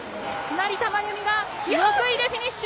成田真由美が６位でフィニッシュ。